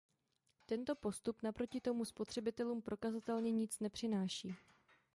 Tento postup naproti tomu spotřebitelům prokazatelně nic nepřináší.